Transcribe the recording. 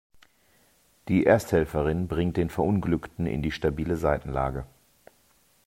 Die Ersthelferin bringt den Verunglückten in die stabile Seitenlage.